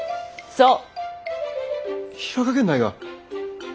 そう！